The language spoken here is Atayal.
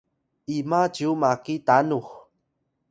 ima cyu maki tanux?